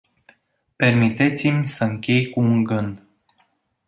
Permiteți-mi să închei cu un gând.